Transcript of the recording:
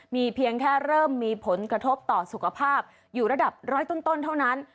มีเพียงแค่เริ่มมีผลกระทบต่อสุขภาพอยู่ระดับร้อยต้นเท่านั้น